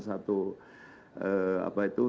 satu apa itu